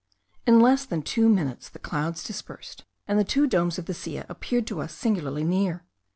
In less than two minutes the clouds dispersed, and the two domes of the Silla appeared to us singularly near.